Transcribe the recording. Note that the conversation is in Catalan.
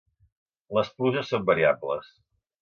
Les pluges són variables.